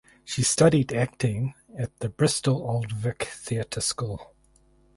She studied acting at the Bristol Old Vic Theatre School.